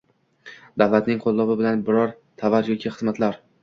davlatning qo‘llovi bilan biror tovar yoki xizmatlar